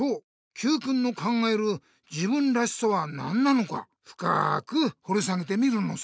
Ｑくんの考える自分らしさは何なのかふかくほり下げてみるのさ。